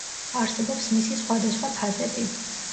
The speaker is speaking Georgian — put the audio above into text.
არსებობს მისი სხვადასხვა ფაზები.